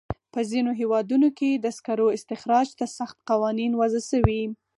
په ځینو هېوادونو کې د سکرو استخراج ته سخت قوانین وضع شوي.